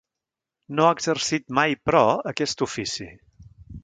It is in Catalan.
No ha exercit mai, però aquest ofici.